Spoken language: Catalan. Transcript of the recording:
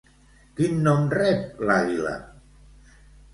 Quin nom rep l'àguila?